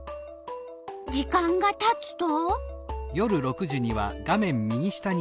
時間がたつと？